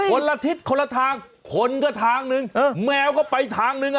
ละทิศคนละทางคนก็ทางหนึ่งแมวก็ไปทางนึงอ่ะ